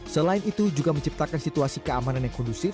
selain itu juga menciptakan situasi keamanan yang kondusif